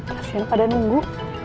kasian pada nunggu